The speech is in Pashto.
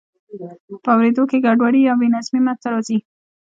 په اوریدو کې ګډوډي یا بې نظمي منځ ته راځي.